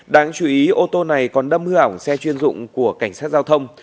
đáng chú ý ô tô này còn đâm hư ảo xe chuyên dụng của cảnh sát giao thông